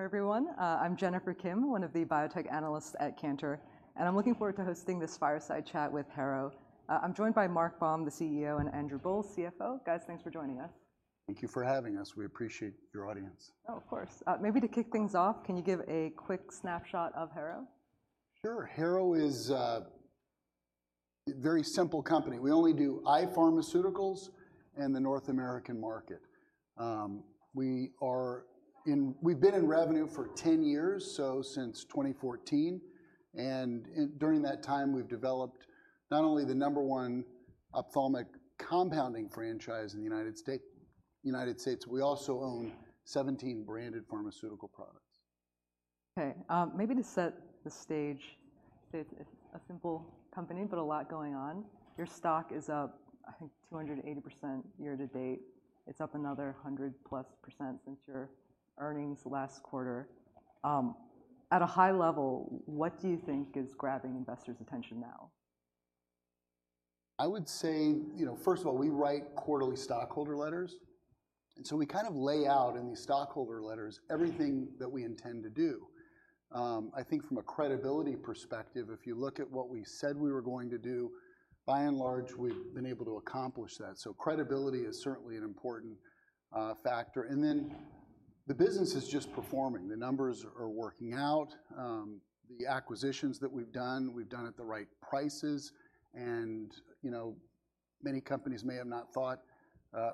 Everyone, I'm Jennifer Kim, one of the biotech analysts at Cantor, and I'm looking forward to hosting this fireside chat with Harrow. I'm joined by Mark Baum, the CEO, and Andrew Boll, CFO. Guys, thanks for joining us. Thank you for having us. We appreciate your audience. Oh, of course. Maybe to kick things off, can you give a quick snapshot of Harrow? Sure. Harrow is a very simple company. We only do eye pharmaceuticals in the North American market. We've been in revenue for 10 years, so since 2014, and during that time, we've developed not only the number one ophthalmic compounding franchise in the United States, we also own 17 branded pharmaceutical products. Okay, maybe to set the stage, it's a simple company, but a lot going on. Your stock is up, I think, 280% year to date. It's up another 100% plus since your earnings last quarter. At a high level, what do you think is grabbing investors' attention now? I would say, you know, first of all, we write quarterly stockholder letters, and so we kind of lay out in these stockholder letters everything that we intend to do. I think from a credibility perspective, if you look at what we said we were going to do, by and large, we've been able to accomplish that. So credibility is certainly an important factor. And then the business is just performing. The numbers are working out. The acquisitions that we've done, we've done at the right prices and, you know, many companies may have not thought,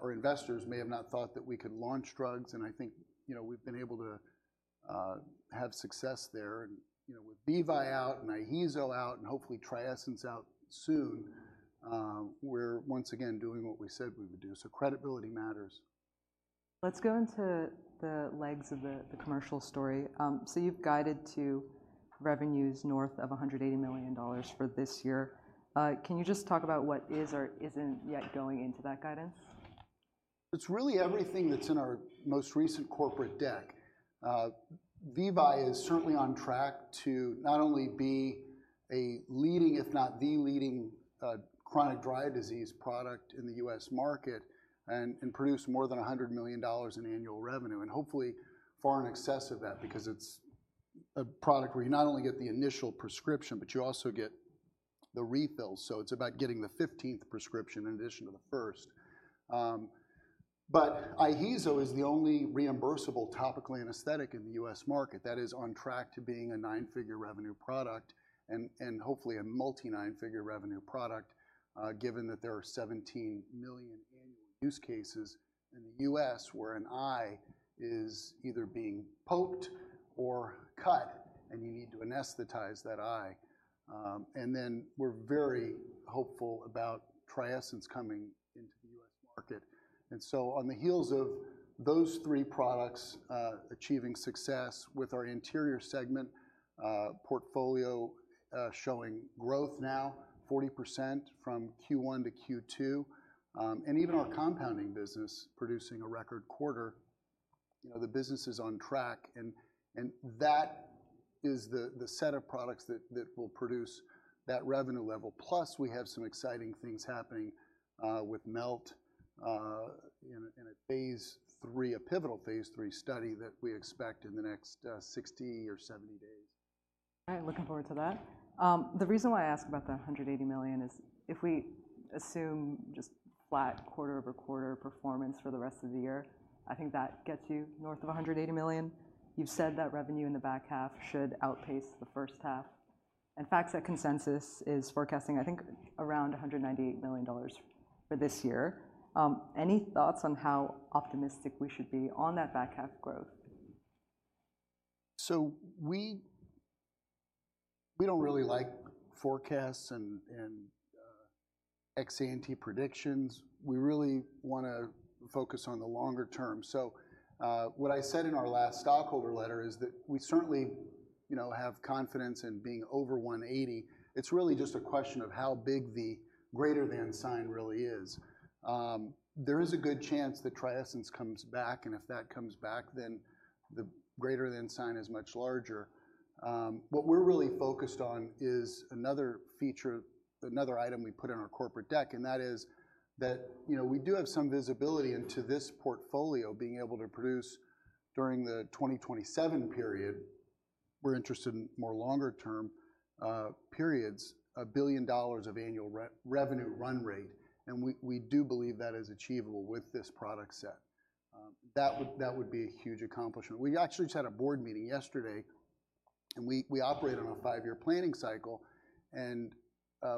or investors may have not thought that we could launch drugs, and I think, you know, we've been able to have success there. You know, with VEVYE out and IHEEZO out and hopefully Triessence out soon, we're once again doing what we said we would do, so credibility matters. Let's go into the legs of the commercial story. So you've guided to revenues north of $180 million for this year. Can you just talk about what is or isn't yet going into that guidance? It's really everything that's in our most recent corporate deck. VEVYE is certainly on track to not only be a leading, if not the leading, chronic dry eye disease product in the U.S. market and produce more than $100 million in annual revenue, and hopefully far in excess of that, because it's a product where you not only get the initial prescription, but you also get the refills. So it's about getting the fifteenth prescription in addition to the first. But IHEEZO is the only reimbursable topical anesthetic in the U.S. market. That is on track to being a nine-figure revenue product and hopefully a multi nine-figure revenue product, given that there are 17 million annual use cases in the U.S. where an eye is either being poked or cut, and you need to anesthetize that eye. And then we're very hopeful about Triessence coming into the U.S. market. And so on the heels of those three products achieving success with our anterior segment portfolio showing growth now 40% from Q1 to Q2, and even our compounding business producing a record quarter, you know, the business is on track, and that is the set of products that will produce that revenue level. Plus, we have some exciting things happening with Melt in a phase III, a pivotal phase III study that we expect in the next 60 or 70 days. I am looking forward to that. The reason why I asked about the $180 million is if we assume just flat quarter over quarter performance for the rest of the year, I think that gets you north of $180 million. You've said that revenue in the back half should outpace the first half, and fact that consensus is forecasting, I think around $198 million for this year. Any thoughts on how optimistic we should be on that back half growth? We don't really like forecasts and can't predictions. We really wanna focus on the longer term. What I said in our last stockholder letter is that we certainly, you know, have confidence in being over $180. It's really just a question of how big the greater than sign really is. There is a good chance that Triessence comes back, and if that comes back, then the greater than sign is much larger. What we're really focused on is another feature, another item we put in our corporate deck, and that is that, you know, we do have some visibility into this portfolio, being able to produce during the 2027 period. We're interested in more longer-term periods, $1 billion of annual revenue run rate, and we do believe that is achievable with this product set. That would be a huge accomplishment. We actually just had a board meeting yesterday, and we operate on a five-year planning cycle, and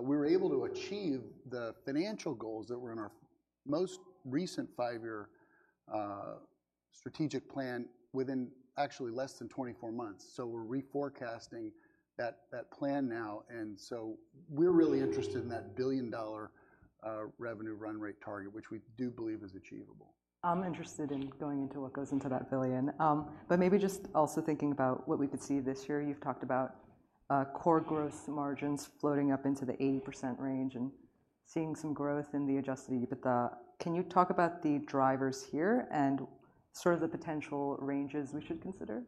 we were able to achieve the financial goals that were in our most recent five-year strategic plan within actually less than twenty-four months. So we're reforecasting that plan now, and so we're really interested in that billion-dollar revenue run rate target, which we do believe is achievable. I'm interested in going into what goes into that billion. But maybe just also thinking about what we could see this year. You've talked about core growth margins floating up into the 80% range and seeing some growth in the adjusted EBITDA. Can you talk about the drivers here and sort of the potential ranges we should consider?...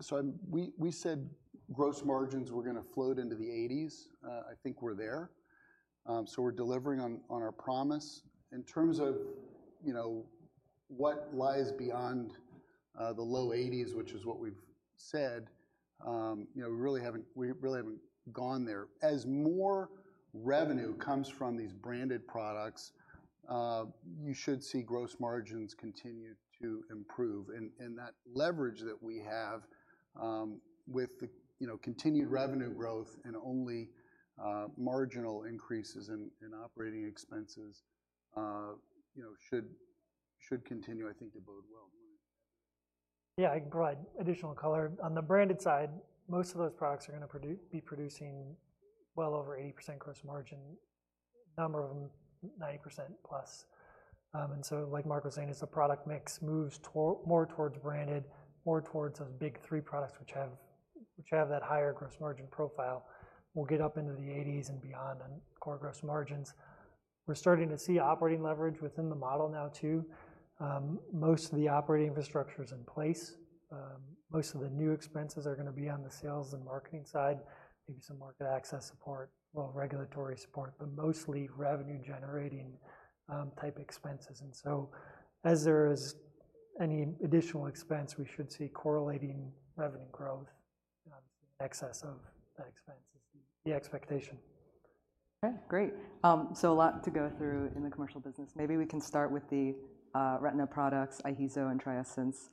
So we said gross margins were going to float into the 80s%. I think we're there. So we're delivering on our promise. In terms of, you know, what lies beyond the low 80s%, which is what we've said, you know, we really haven't gone there. As more revenue comes from these branded products, you should see gross margins continue to improve. And that leverage that we have, with the, you know, continued revenue growth and only marginal increases in operating expenses, you know, should continue, I think, to bode well. Yeah, I can provide additional color. On the branded side, most of those products are going to be producing well over 80% gross margin, number of them, 90% plus. And so like Mark was saying, as the product mix moves more towards branded, more towards those big three products, which have that higher gross margin profile, we'll get up into the 80s and beyond on core gross margins. We're starting to see operating leverage within the model now too. Most of the operating infrastructure is in place. Most of the new expenses are gonna be on the sales and marketing side, maybe some market access support, a little regulatory support, but mostly revenue-generating type expenses. And so as there is any additional expense, we should see correlating revenue growth in excess of that expense is the expectation. Okay, great. So a lot to go through in the commercial business. Maybe we can start with the retina products, IHEEZO and Triessence.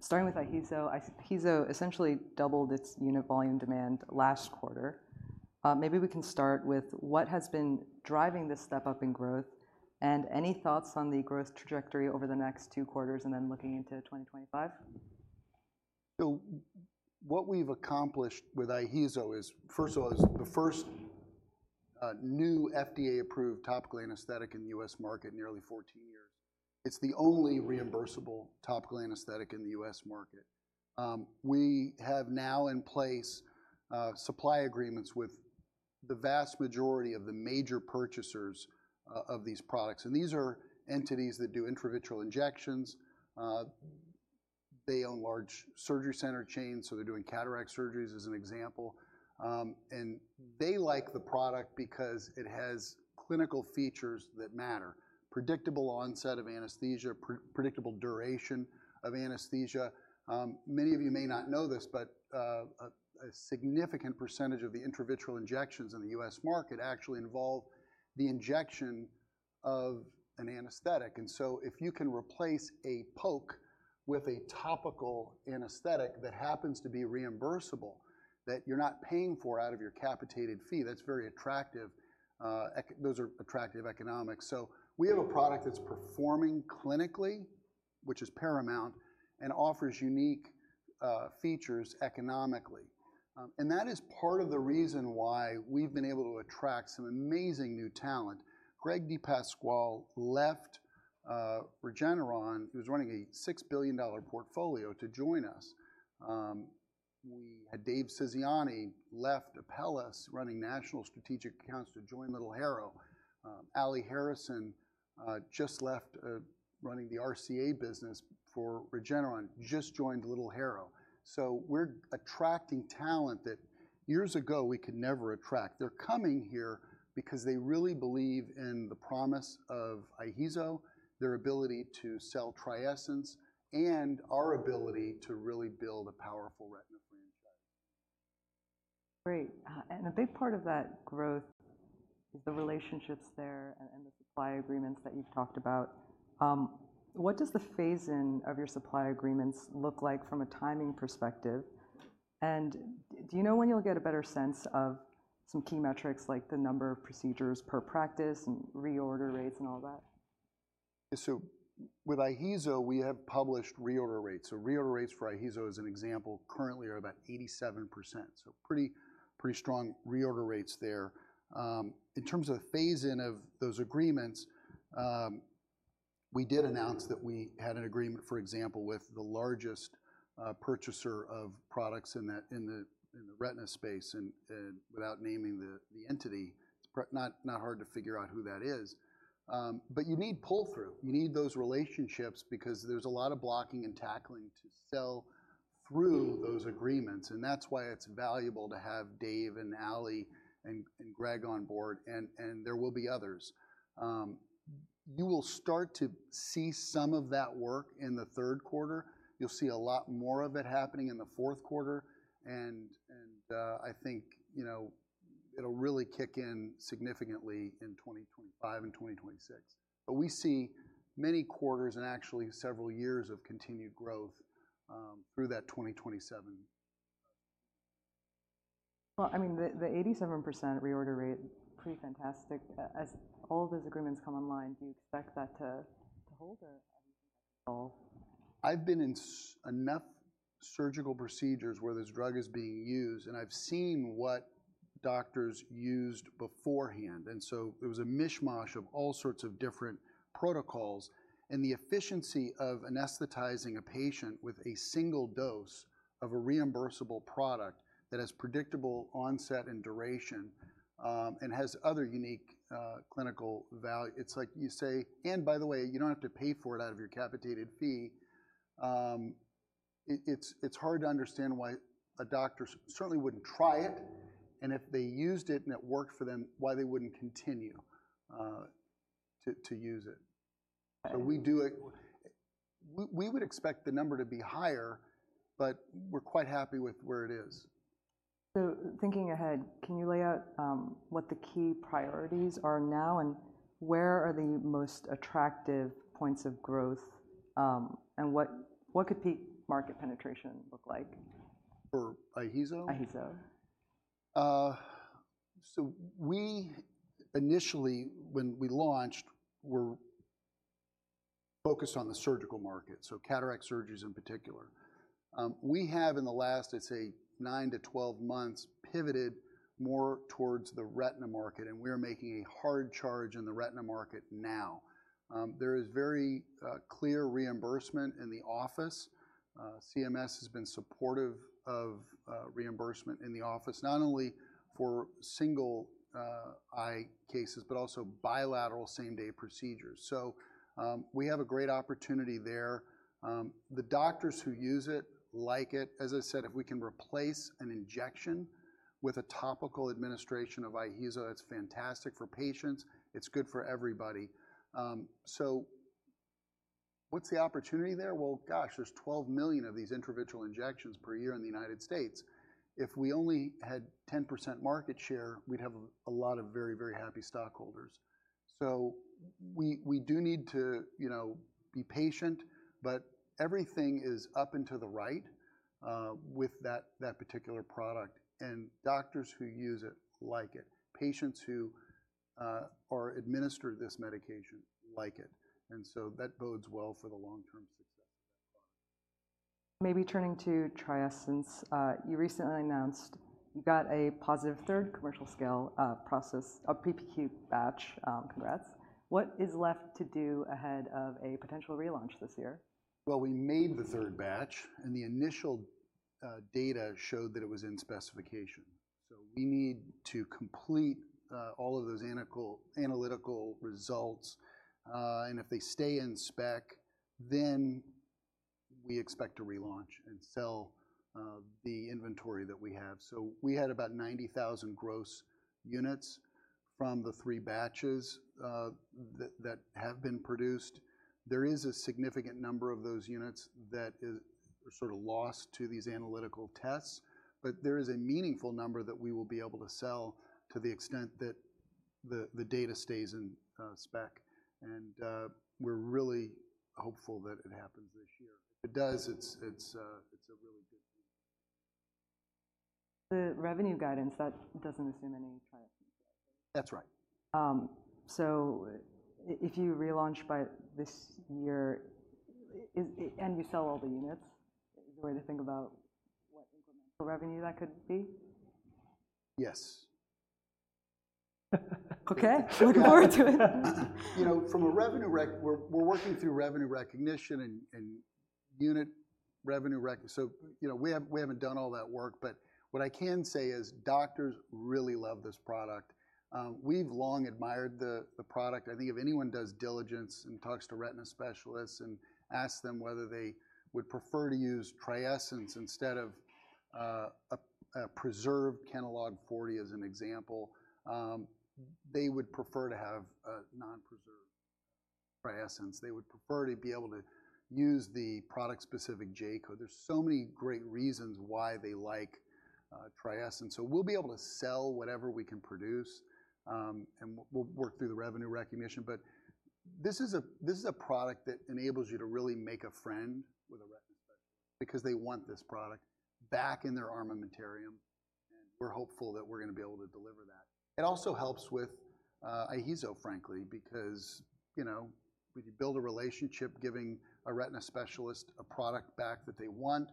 Starting with IHEEZO, IHEEZO essentially doubled its unit volume demand last quarter. Maybe we can start with what has been driving this step-up in growth, and any thoughts on the growth trajectory over the next two quarters, and then looking into twenty twenty-five? So what we've accomplished with IHEEZO is, first of all, it's the first new FDA-approved topical anesthetic in the U.S. market in nearly fourteen years. It's the only reimbursable topical anesthetic in the U.S. market. We have now in place supply agreements with the vast majority of the major purchasers of these products, and these are entities that do intravitreal injections. They own large surgery center chains, so they're doing cataract surgeries, as an example. And they like the product because it has clinical features that matter: predictable onset of anesthesia, predictable duration of anesthesia. Many of you may not know this, but a significant percentage of the intravitreal injections in the U.S. market actually involve the injection of an anesthetic. And so if you can replace a poke with a topical anesthetic that happens to be reimbursable, that you're not paying for out of your capitated fee, that's very attractive. Those are attractive economics. So we have a product that's performing clinically, which is paramount, and offers unique features economically. And that is part of the reason why we've been able to attract some amazing new talent. Greg DiPasquale left Regeneron, he was running a $6 billion portfolio, to join us. We had Dave Zucconi left Apellis, running national strategic accounts, to join Harrow. Allie Harrison just left, running the RCA business for Regeneron, just joined Harrow. So we're attracting talent that years ago we could never attract. They're coming here because they really believe in the promise of Iheezo, their ability to sell Triessence, and our ability to really build a powerful retina franchise. Great. And a big part of that growth is the relationships there and the supply agreements that you've talked about. What does the phase-in of your supply agreements look like from a timing perspective? And do you know when you'll get a better sense of some key metrics, like the number of procedures per practice and reorder rates and all that? So with IHEEZO, we have published reorder rates. So reorder rates for IHEEZO, as an example, currently are about 87%, so pretty, pretty strong reorder rates there. In terms of phase-in of those agreements, we did announce that we had an agreement, for example, with the largest purchaser of products in the retina space, and without naming the entity, it's not hard to figure out who that is. But you need pull-through. You need those relationships because there's a lot of blocking and tackling to sell through those agreements, and that's why it's valuable to have Dave and Ally and Greg on board, and there will be others. You will start to see some of that work in the third quarter. You'll see a lot more of it happening in the fourth quarter, and I think, you know, it'll really kick in significantly in twenty twenty-five and twenty twenty-six. But we see many quarters and actually several years of continued growth through that twenty twenty-seven. Well, I mean, the 87% reorder rate, pretty fantastic. As all those agreements come online, do you expect that to hold or...? I've been in enough surgical procedures where this drug is being used, and I've seen what doctors used beforehand, and so it was a mishmash of all sorts of different protocols, and the efficiency of anesthetizing a patient with a single dose of a reimbursable product that has predictable onset and duration, and has other unique clinical value, it's like you say... "And by the way, you don't have to pay for it out of your capitated fee," it's hard to understand why a doctor certainly wouldn't try it, and if they used it and it worked for them, why they wouldn't continue to use it, so we do it. We would expect the number to be higher, but we're quite happy with where it is. So thinking ahead, can you lay out what the key priorities are now, and where are the most attractive points of growth, and what could peak market penetration look like? For IHEEZO? IHEEZO. So we initially, when we launched, were focused on the surgical market, so cataract surgeries in particular. We have, in the last, I'd say nine to 12 months, pivoted more towards the retina market, and we are making a hard charge in the retina market now. There is very clear reimbursement in the office. CMS has been supportive of reimbursement in the office, not only for single eye cases, but also bilateral same-day procedures. So we have a great opportunity there. The doctors who use it like it. As I said, if we can replace an injection with a topical administration of Iheezo, that's fantastic for patients, it's good for everybody. So what's the opportunity there? Well, gosh, there's 12 million of these intravitreal injections per year in the United States. If we only had 10% market share, we'd have a lot of very, very happy stockholders. So we, we do need to, you know, be patient, but everything is up and to the right, with that, that particular product, and doctors who use it, like it. Patients who, are administered this medication, like it, and so that bodes well for the long-term success. Maybe turning to Triessence, you recently announced you got a positive third commercial scale, process a PPQ batch. Congrats. What is left to do ahead of a potential relaunch this year? We made the third batch, and the initial data showed that it was in specification. So we need to complete all of those analytical results, and if they stay in spec, then we expect to relaunch and sell the inventory that we have. So we had about 90,000 gross units from the three batches that have been produced. There is a significant number of those units that is sort of lost to these analytical tests, but there is a meaningful number that we will be able to sell to the extent that the data stays in spec, and we're really hopeful that it happens this year. If it does, it's a really good... The revenue guidance, that doesn't assume any trial? That's right. So, if you relaunch by this year and you sell all the units, is the way to think about what incremental revenue that could be? Yes. Okay, look forward to it! You know, from a revenue recognition. We're working through revenue recognition and unit revenue recognition. So, you know, we haven't done all that work, but what I can say is doctors really love this product. We've long admired the product. I think if anyone does diligence and talks to retina specialists and asks them whether they would prefer to use Triessence instead of a preserved Kenalog-40 as an example, they would prefer to have a non-preserved Triessence. They would prefer to be able to use the product-specific J-code. There's so many great reasons why they like Triessence. We'll be able to sell whatever we can produce, and we'll work through the revenue recognition, but this is a product that enables you to really make a friend with a retina specialist because they want this product back in their armamentarium. We're hopeful that we're gonna be able to deliver that. It also helps with Iheezo, frankly, because, you know, when you build a relationship, giving a retina specialist a product back that they want,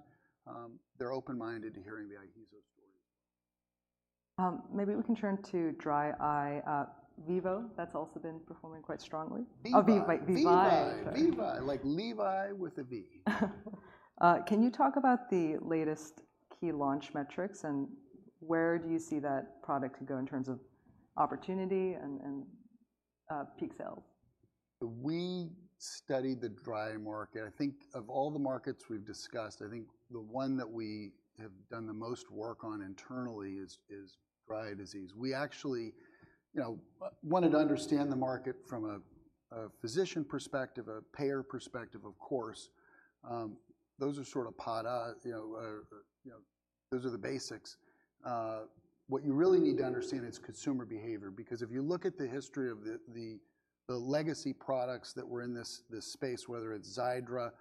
they're open-minded to hearing the Iheezo story. Maybe we can turn to dry eye, VEVYE. That's also been performing quite strongly. VEVYE. Oh, VEVYE. VEVYE. VEVYE, like Levi with a V. Can you talk about the latest key launch metrics, and where do you see that product could go in terms of opportunity and peak sales? We studied the dry eye market. I think of all the markets we've discussed, I think the one that we have done the most work on internally is dry eye disease. We actually, you know, wanted to understand the market from a physician perspective, a payer perspective, of course. Those are sort of, you know, those are the basics. What you really need to understand is consumer behavior, because if you look at the history of the legacy products that were in this space, whether it's Xiidra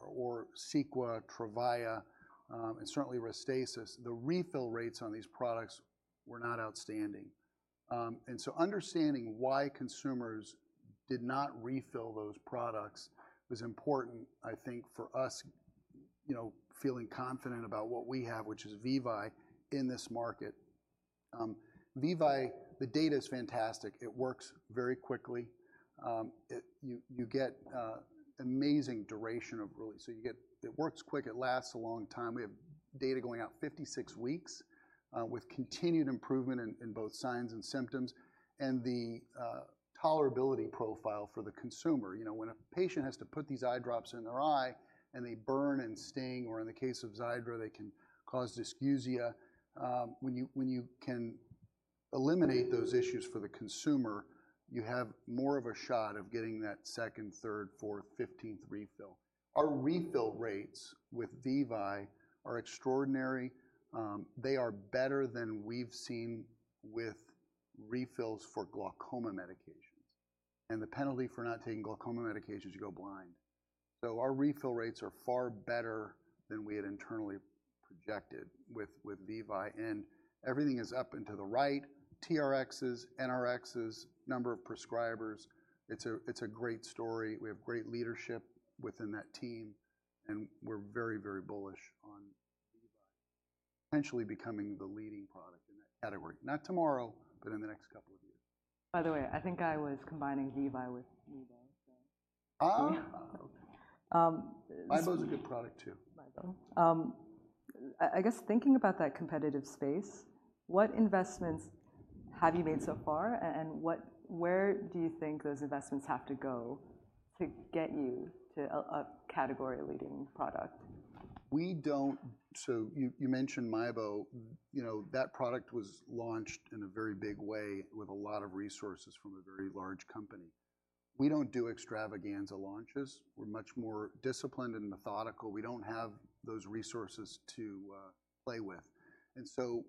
or Cequa, Tyrvaya, and certainly Restasis, the refill rates on these products were not outstanding, and so understanding why consumers did not refill those products was important, I think, for us, you know, feeling confident about what we have, which is VEVYE, in this market. VEVYE, the data is fantastic. It works very quickly, amazing duration of really. So you get it works quick, it lasts a long time. We have data going out 56 weeks with continued improvement in both signs and symptoms, and the tolerability profile for the consumer. You know, when a patient has to put these eye drops in their eye, and they burn and sting, or in the case of Xiidra, they can cause dysgeusia. When you can eliminate those issues for the consumer, you have more of a shot of getting that second, third, fourth, fifteenth refill. Our refill rates with VEVYE are extraordinary. They are better than we've seen with refills for glaucoma medications, and the penalty for not taking glaucoma medications, you go blind. So our refill rates are far better than we had internally projected with VEVYE, and everything is up and to the right, TRXs, NRXs, number of prescribers. It's a, it's a great story. We have great leadership within that team, and we're very, very bullish on VEVYE potentially becoming the leading product in that category. Not tomorrow, but in the next couple of years. By the way, I think I was combining VEVYE with VEVYE, so. Ah! Um- VEVYE is a good product, too. VEVYE. I guess thinking about that competitive space, what investments have you made so far, and what... where do you think those investments have to go to get you to a category-leading product? We don't. So you mentioned VEVYE. You know, that product was launched in a very big way with a lot of resources from a very large company. We don't do extravaganza launches. We're much more disciplined and methodical. We don't have those resources to play with, and so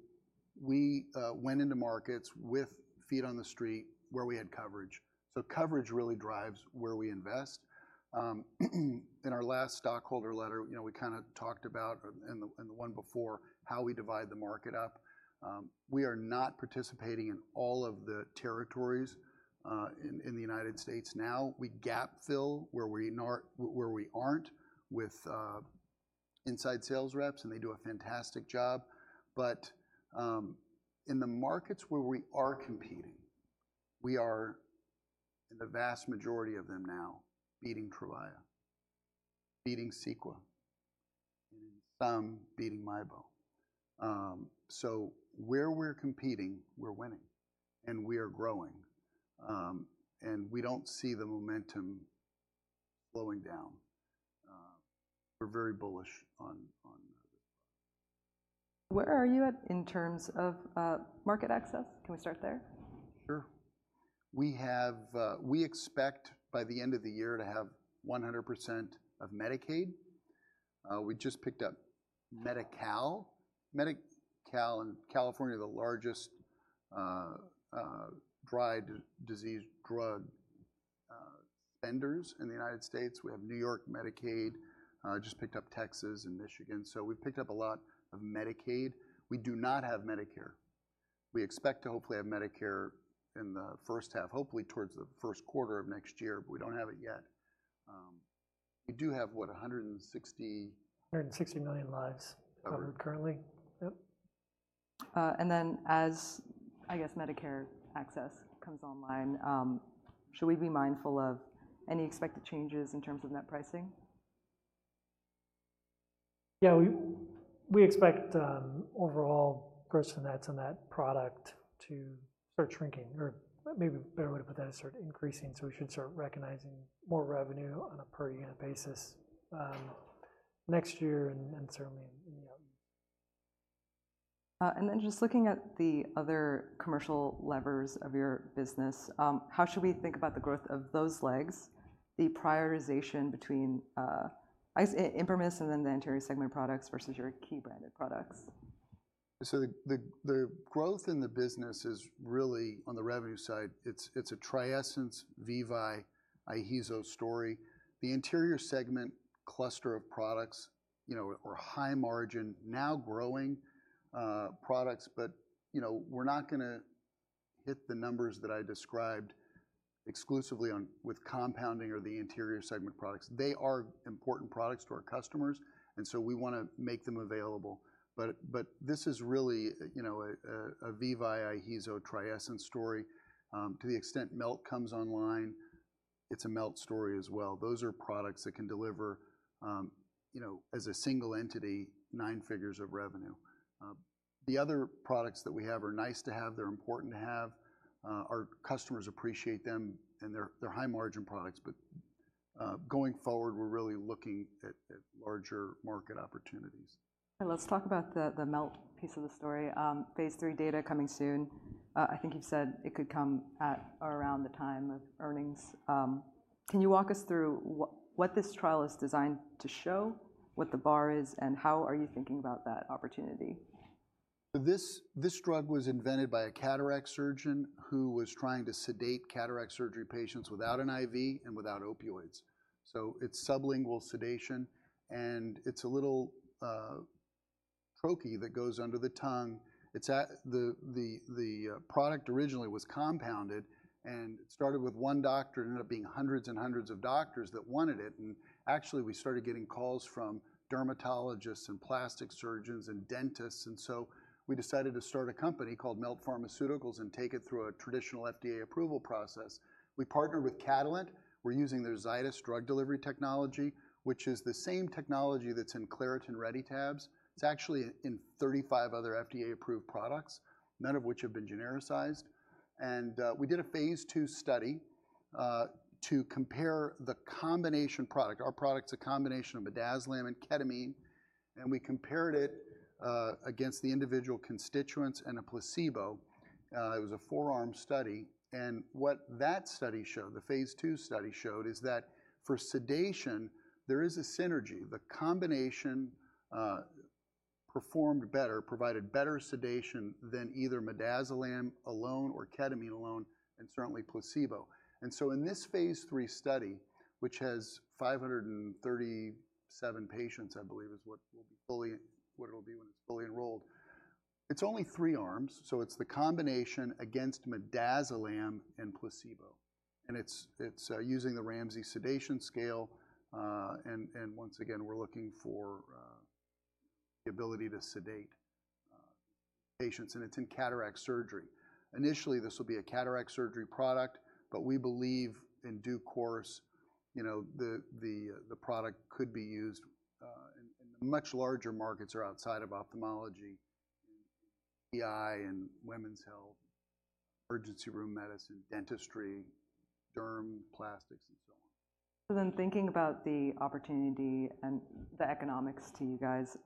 we went into markets with feet on the street where we had coverage. So coverage really drives where we invest. In our last stockholder letter, you know, we kinda talked about the one before, how we divide the market up. We are not participating in all of the territories in the United States now. We gap fill where we aren't with inside sales reps, and they do a fantastic job. But, in the markets where we are competing, we are, in the vast majority of them now, beating Tyrvaya, beating Cequa, and in some, beating. So where we're competing, we're winning, and we are growing. And we don't see the momentum slowing down. We're very bullish on VEVYE. Where are you at in terms of, market access? Can we start there? Sure. We have. We expect by the end of the year to have 100% of Medicaid. We just picked up Medi-Cal. Medi-Cal in California, the largest dry eye disease drug vendors in the United States. We have New York Medicaid, just picked up Texas and Michigan. So we've picked up a lot of Medicaid. We do not have Medicare. We expect to hopefully have Medicare in the first half, hopefully towards the first quarter of next year, but we don't have it yet. We do have, what? 160- 160 million lives- Okay... covered currently. Yep. And then, as I guess, Medicare access comes online, should we be mindful of any expected changes in terms of net pricing? Yeah, we expect overall gross nets on that product to start shrinking, or maybe a better way to put that is start increasing. So we should start recognizing more revenue on a per-unit basis next year, and certainly in the upcoming. And then just looking at the other commercial levers of your business, how should we think about the growth of those legs, the prioritization between ImprimisRx and then the anterior segment products versus your key branded products? So the growth in the business is really on the revenue side. It's a Triessence, VEVYE, IHEEZO story. The anterior segment cluster of products, you know, are high margin, now growing products, but you know, we're not gonna hit the numbers that I described exclusively on, with compounding or the anterior segment products. They are important products to our customers, and so we wanna make them available, but this is really, you know, a VEVYE, IHEEZO, Triessence story. To the extent Melt comes online, it's a Melt story as well. Those are products that can deliver, you know, as a single entity, nine figures of revenue. The other products that we have are nice to have, they're important to have, our customers appreciate them, and they're high-margin products. Going forward, we're really looking at larger market opportunities. Let's talk about the Melt piece of the story. Phase III data coming soon. I think you've said it could come at or around the time of earnings. Can you walk us through what this trial is designed to show, what the bar is, and how are you thinking about that opportunity? This drug was invented by a cataract surgeon who was trying to sedate cataract surgery patients without an IV and without opioids. So it's sublingual sedation, and it's a little troche that goes under the tongue. It's the product originally was compounded, and it started with one doctor, and ended up being hundreds and hundreds of doctors that wanted it. And actually, we started getting calls from dermatologists, and plastic surgeons, and dentists, and so we decided to start a company called Melt Pharmaceuticals, and take it through a traditional FDA approval process. We partnered with Catalent. We're using their Zydis drug delivery technology, which is the same technology that's in Claritin RediTabs. It's actually in 35 other FDA-approved products, none of which have been genericized. And we did a phase II study to compare the combination product. Our product's a combination of midazolam and ketamine, and we compared it against the individual constituents and a placebo. It was a forearm study, and what that study showed, the phase II study showed, is that for sedation, there is a synergy. The combination performed better, provided better sedation than either midazolam alone or ketamine alone, and certainly placebo, and so in this phase III study, which has 537 patients, I believe is what will be fully what it'll be when it's fully enrolled, it's only three arms, so it's the combination against midazolam and placebo, and it's using the Ramsay Sedation Scale. Once again, we're looking for the ability to sedate patients, and it's in cataract surgery. Initially, this will be a cataract surgery product, but we believe in due course, you know, the product could be used in much larger markets or outside of ophthalmology, IV and women's health, emergency room medicine, dentistry, derm, plastics, and so on. So then, thinking about the opportunity and the economics to you guys,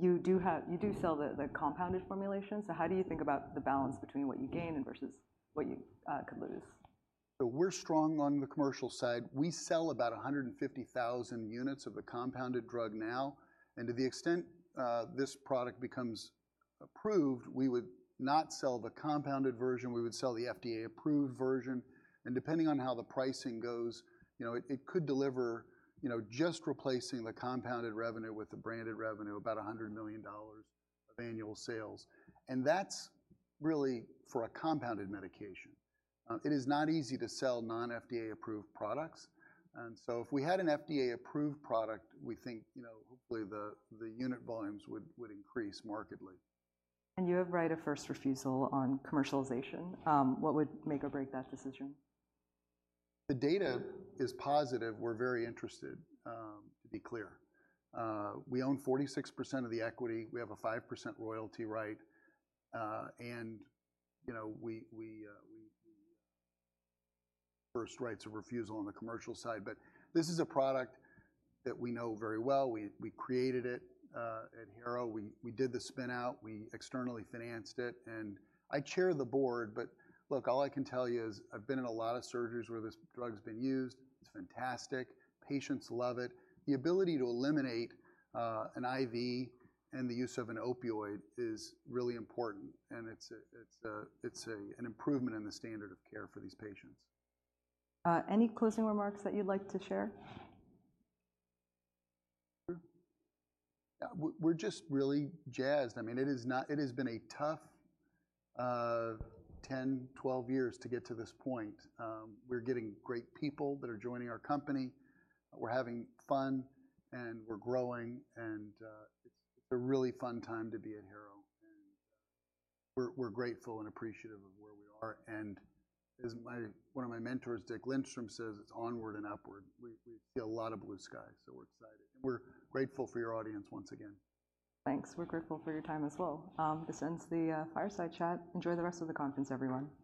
you do sell the compounded formulation, so how do you think about the balance between what you gain and versus what you could lose? So we're strong on the commercial side. We sell about 150,000 units of the compounded drug now, and to the extent this product becomes approved, we would not sell the compounded version, we would sell the FDA-approved version. And depending on how the pricing goes, you know, it could deliver, you know, just replacing the compounded revenue with the branded revenue, about $100 million of annual sales, and that's really for a compounded medication. It is not easy to sell non-FDA-approved products, and so if we had an FDA-approved product, we think, you know, hopefully the unit volumes would increase markedly. And you have right of first refusal on commercialization? What would make or break that decision? If the data is positive, we're very interested, to be clear. We own 46% of the equity. We have a 5% royalty right, and, you know, first right of refusal on the commercial side, but this is a product that we know very well. We created it at Harrow. We did the spin out. We externally financed it, and I chair the board, but look, all I can tell you is I've been in a lot of surgeries where this drug's been used. It's fantastic. Patients love it. The ability to eliminate an IV and the use of an opioid is really important, and it's an improvement in the standard of care for these patients. Any closing remarks that you'd like to share? We're just really jazzed. I mean, it is not—it has been a tough 10, 12 years to get to this point. We're getting great people that are joining our company. We're having fun, and we're growing, and it's a really fun time to be at Harrow, and we're grateful and appreciative of where we are. And as my—one of my mentors, Dick Lindstrom, says, "It's onward and upward." We see a lot of blue skies, so we're excited. We're grateful for your audience once again. Thanks. We're grateful for your time as well. This ends the fireside chat. Enjoy the rest of the conference, everyone.